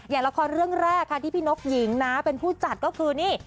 อย่างละครเรื่องแรกค่ะที่พี่นกหญิงนะเป็นผู้จัดก็คือนี่